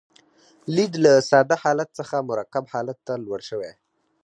لید له ساده حالت څخه مرکب حالت ته لوړ شوی.